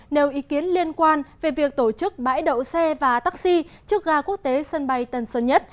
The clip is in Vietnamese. nêu ý kiến liên quan về việc tổ chức bãi đậu xe và taxi trước ga quốc tế sân bay tân sơn nhất